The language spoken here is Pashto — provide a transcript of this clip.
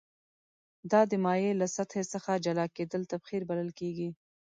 دا د مایع له سطحې څخه جلا کیدل تبخیر بلل کیږي.